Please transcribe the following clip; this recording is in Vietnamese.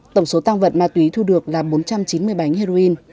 tổng số tăng vận ma túy thu được là bốn trăm chín mươi bảy bánh heroin